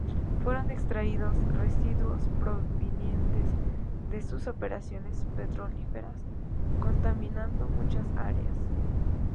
Fueron extraídos residuos provenientes de sus operaciones petrolíferas, contaminando muchas áreas.